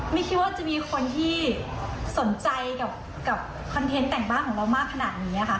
ไม่คิดว่าจะมีคนที่สนใจกับคอนเทนต์แต่งบ้านของเรามากขนาดนี้ค่ะ